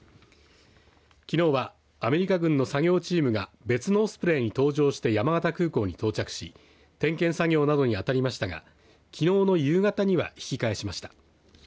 きのうは、アメリカ軍の作業チームが別のオスプレイに搭乗して山形空港に到着し点検作業などにあたりましたがきのうの夕方には引き返しました。